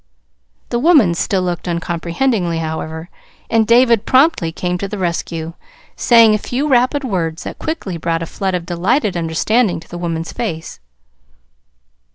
The woman still looked uncomprehending, however, and David promptly came to the rescue, saying a few rapid words that quickly brought a flood of delighted understanding to the woman's face.